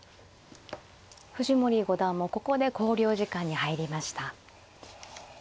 藤森五段もここで考慮時間に入りました。